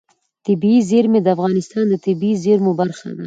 طبیعي زیرمې د افغانستان د طبیعي زیرمو برخه ده.